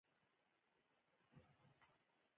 په رافعه کې که یوه قوه کمه وي مټ یې اوږد وي.